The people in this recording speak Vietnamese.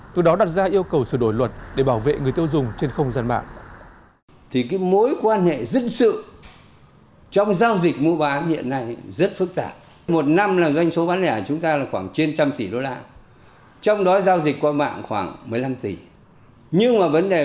từ đó đặt ra yêu cầu sửa đổi luật để bảo vệ người tiêu dùng trên không gian mạng